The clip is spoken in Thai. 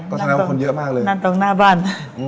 ก็ฉะนั้นคนเยอะมากเลยนั่งตรงหน้าบ้าน